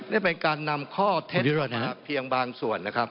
นี่เป็นการนำข้อเท็จจริงเพียงบางส่วนนะครับ